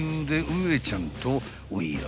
［おや？